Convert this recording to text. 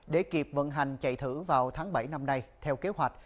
để kịp vận hành chạy thử vào tháng bảy năm nay theo kế hoạch